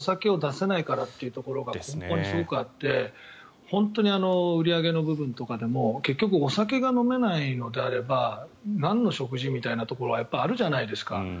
それはやっぱりお酒を出せないというところがすごくあって本当に売り上げの部分とかでも結局、お酒が飲めないのであればなんの食事？みたいなところはあるじゃないですか。